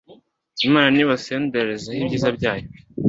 imana nibasenderezeho ibyiza byayo